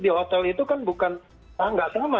di hotel itu kan bukan nggak sama